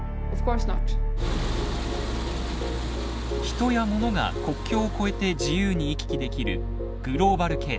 人や物が国境を越えて自由に行き来できるグローバル経済。